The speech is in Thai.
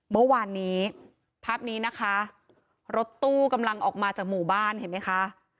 เมื่อวานนี้ภาพนี้นะคะรถตู้กำลังออกมาจากหมู่บ้านเห็นไหมคะ